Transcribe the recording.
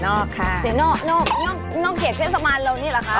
นอกนอกเขดเส้นสมานเหล่านี่หรอคะ